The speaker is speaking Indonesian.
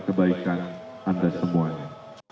kebaikan anda semuanya